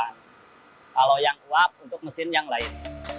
kalau yang uap untuk mesin yang lain